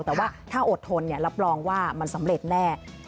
แต่ว่าถ้าอดทนรับรองว่ามันสำเร็จแน่